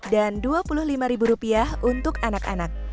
dan dua puluh lima rupiah untuk anak anak